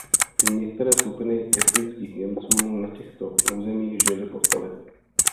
Některé skupiny etnických Němců na těchto územích žily po staletí.